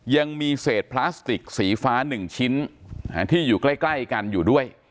ยังมีเศษพลาสติกสีฟ้าหนึ่งชิ้นที่อยู่ใกล้กันอยู่ด้วย